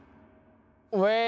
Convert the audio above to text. ウェイ。